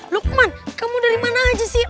lukman kamu dari mana aja sih